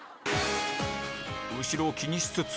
後ろを気にしつつ